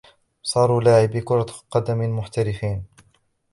صاروا لاعبِي كرة قدمٍ محترفين.